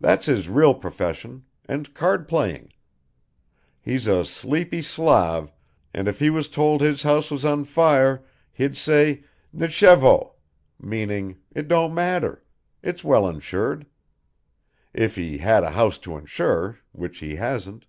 That's his real profession, and card playing. He's a sleepy Slav, and if he was told his house was on fire he'd say, "nichévo," meaning it don't matter, it's well insured if he had a house to insure, which he hasn't.